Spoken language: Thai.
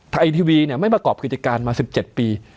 ไอทีวีเนี่ยไม่ประกอบกิจการมา๑๗ปี